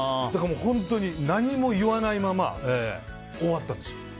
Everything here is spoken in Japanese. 本当に何も言わないまま終わったんですよ。